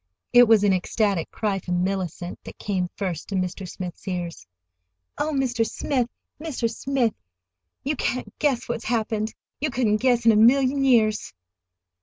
It was an ecstatic cry from Mellicent that came first to Mr. Smith's ears. "Oh, Mr. Smith, Mr. Smith, you can't guess what's happened! You couldn't guess in a million years!"